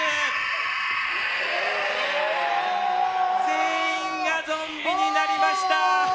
全員がゾンビになりました。